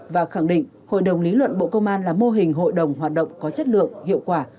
và khẳng định hội đồng lý luận bộ công an là mô hình hội đồng hoạt động có chất lượng hiệu quả